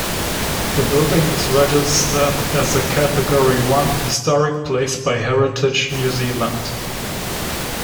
The building is registered as a Category One historic place by Heritage New Zealand.